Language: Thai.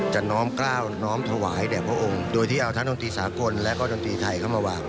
น้อมกล้าวน้อมถวายแด่พระองค์โดยที่เอาทั้งดนตรีสากลและก็ดนตรีไทยเข้ามาวาง